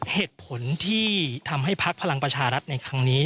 เหตุผลที่ทำให้พักพลังประชารัฐในครั้งนี้